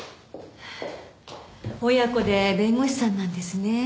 親子で弁護士さんなんですね。